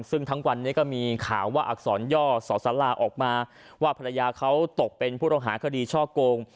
ซึ่งทั้งวันนี้ก็มีข่าวว่าอักษรย่อสอสลาออกมาว่าภรรยาเขาตกเป็นผู้ต้องหาคดีช่อโกง